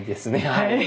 はい。